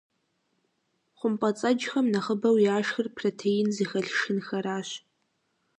ХъумпӀэцӀэджхэм нэхъыбэу яшхыр протеин зыхэлъ шхынхэращ.